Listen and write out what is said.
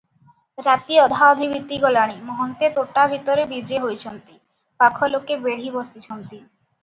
ରାତି ଅଧାଅଧି ବିତିଗଲାଣି, ମହନ୍ତେ ତୋଟା ଭିତରେ ବିଜେ ହୋଇଛନ୍ତି, ପାଖଲୋକେ ବେଢ଼ି ବସିଛନ୍ତି ।